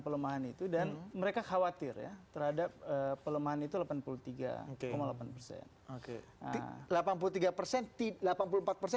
pelemahan itu dan mereka khawatir ya terhadap pelemahan itu delapan puluh tiga delapan persen